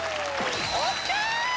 ＯＫ！